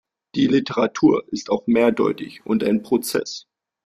Die Literatur ist auch mehrdeutig und ein Prozess.